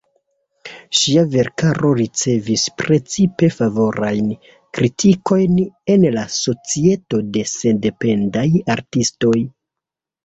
Ŝia verkaro ricevis precipe favorajn kritikojn en la Societo de Sendependaj Artistoj.